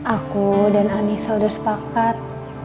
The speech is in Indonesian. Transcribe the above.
aku dan anissa udah sepakat